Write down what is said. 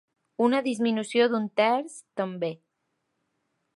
Una disminució d’un terç, també.